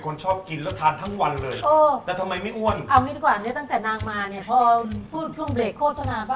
พอแล้วมันท่านโค้กแบบดีจังหวะ